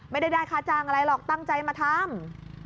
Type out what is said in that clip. ไม่ได้ได้ค่าจ้างอะไรหรอกตั้งใจมาทำ